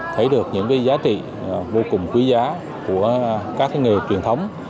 thấy được những giá trị vô cùng quý giá của các nghề truyền thống